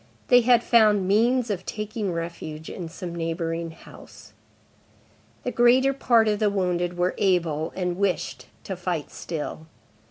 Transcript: They had found means of taking refuge in some neighboring house. The greater part of the wounded were able, and wished, to fight still.